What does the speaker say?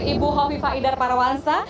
ibu homi faidar parawansa